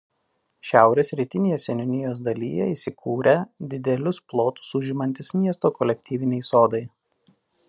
Šiaurės rytinėje seniūnijos dalyje įsikūrę didelius plotus užimantys miesto kolektyviniai sodai.